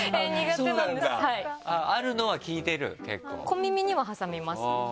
小耳には挟みます。